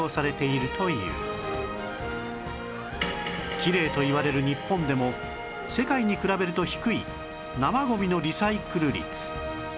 きれいといわれる日本でも世界に比べると低い生ゴミのリサイクル率